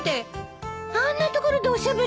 あんな所でおしゃべりしてる。